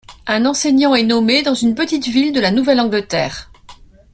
Un enseignant est nommé dans une petite ville de la Nouvelle-Angleterre.